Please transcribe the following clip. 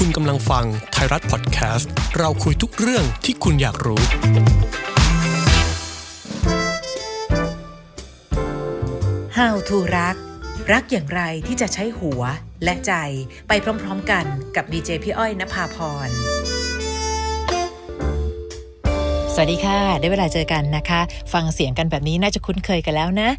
สวัสดีค่ะได้เวลาเจอกันนะคะฟังเสียงกันแบบนี้น่าจะคุ้นเคยกันแล้วนะ